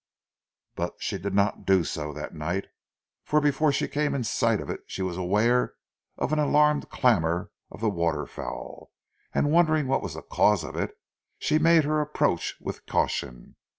But she did not do so that night, for before she came in sight of it she was aware of an alarmed clamour of the water fowl, and wondering what was the cause of it, she made her approach with caution.